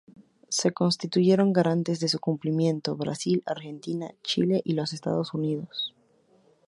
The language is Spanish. Se constituyeron garantes de su cumplimiento Brasil, Argentina, Chile y los Estados Unidos.